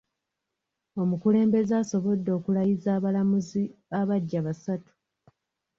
Omukulembeze asobodde okulayizza abalamuzi abagya basatu.